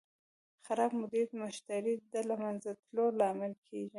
خراب مدیریت د مشتری د له منځه تلو لامل کېږي.